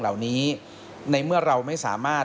เหล่านี้ในเมื่อเราไม่สามารถ